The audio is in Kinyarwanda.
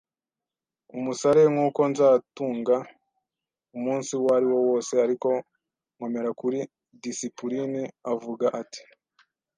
umusare, nkuko nzatunga umunsi uwariwo wose, ariko nkomera kuri disipulini. Avuga ati: